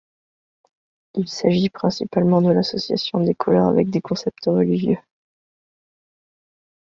Il s'agit principalement de l'association des couleurs avec des concepts religieux.